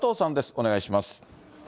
お願いします。